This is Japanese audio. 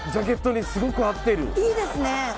いいですね。